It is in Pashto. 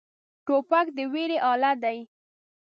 توپک د ویرې اله دی.